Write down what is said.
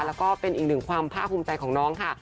แล้วก็เป็นอีกหนึ่งความภาคภูมิใจของน้องค่ะ